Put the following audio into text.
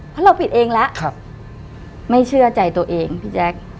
เพราะเราปิดเองแล้วไม่เชื่อใจตัวเองพี่แจ๊ค